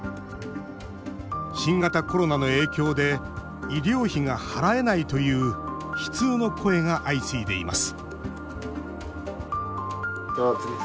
新型コロナの影響で医療費が払えないという悲痛の声が相次いでいます